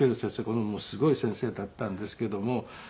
これももうすごい先生だったんですけども。